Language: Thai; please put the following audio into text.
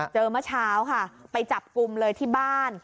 เมื่อเช้าค่ะไปจับกลุ่มเลยที่บ้าน